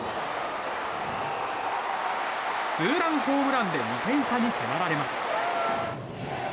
ツーランホームランで２点差に迫られます。